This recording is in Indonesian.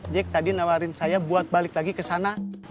jack tadi nawarin saya buat balik lagi ke sana